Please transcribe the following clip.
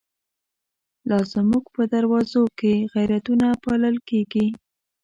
لا زمونږ په دروازو کی، غیرتونه پا لل کیږی